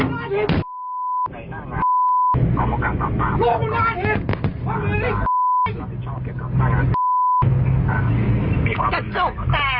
กลับไปแล้วเป็นบ๋นศพที่ยอดออกไปเกิดทางจัง